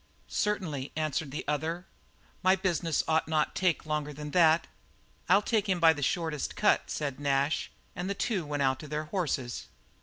"Certainly," answered the other, "my business ought not to take longer than that." "I'll take him by the shortest cut," said Nash, and the two went out to their horses.